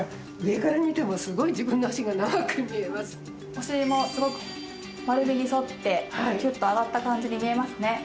お尻もすごく丸みに沿ってキュッと上がった感じに見えますね。